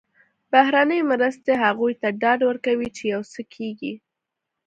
بهرنۍ مرستې هغوی ته ډاډ ورکوي چې یو څه کېږي.